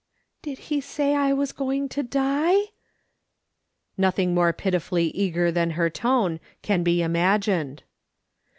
" Did he say I was going to die ?" Nothing more pitifully eager than her tone can be imagined.